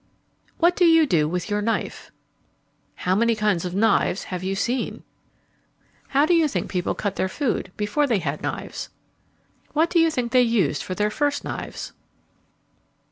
What do you do with your knife? How many kinds of knives have you seen? How do you think people cut their food before they had knives? What do you think they used for their first knives?